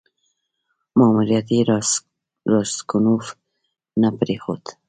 ماموریت یې راسګونوف ته پرېښود.